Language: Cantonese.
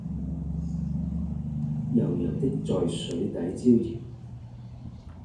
油油的在水底招搖